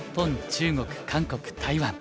中国韓国台湾